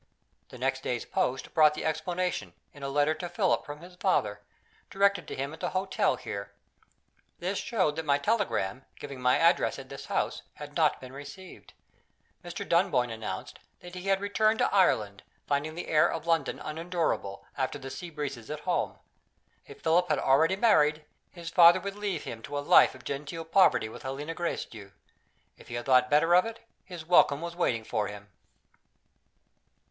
The next day's post brought the explanation in a letter to Philip from his father, directed to him at the hotel here. This showed that my telegram, giving my address at this house, had not been received. Mr. Dunboyne announced that he had returned to Ireland, finding the air of London unendurable, after the sea breezes at home. If Philip had already married, his father would leave him to a life of genteel poverty with Helena Gracedieu. If he had thought better of it, his welcome was waiting for him.